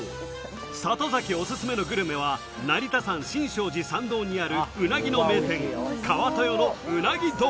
里崎おすすめのグルメは成田山新勝寺参道にある鰻の名店・川豊の鰻丼。